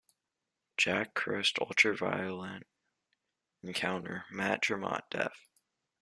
Jake Crist Ultraviolent Encounter: Matt Tremont def.